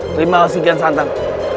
terima kasih kian santang